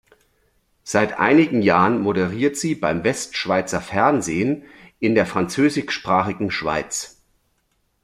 Seit einigen Jahren moderiert sie beim Westschweizer Fernsehen in der französischsprachigen Schweiz.